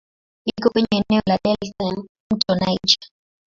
Iko kwenye eneo la delta ya "mto Niger".